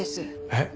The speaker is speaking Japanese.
えっ？